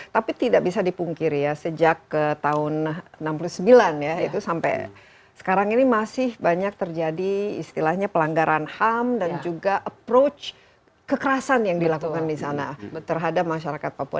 tapi tidak bisa dipungkiri ya sejak tahun seribu sembilan ratus enam puluh sembilan ya itu sampai sekarang ini masih banyak terjadi istilahnya pelanggaran ham dan juga approach kekerasan yang dilakukan di sana terhadap masyarakat papua